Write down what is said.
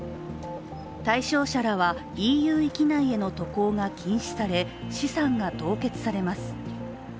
対象者らはＥＵ域内への渡航が禁止され資産が凍結されます。